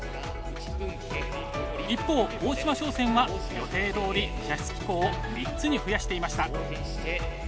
一方大島商船は予定どおり射出機構を３つに増やしていました。